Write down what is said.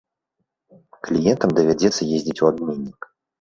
Кліентам давядзецца ездзіць у абменнік.